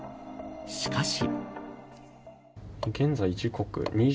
しかし。